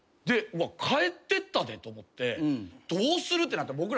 うわ帰ってったでと思ってどうするってなって。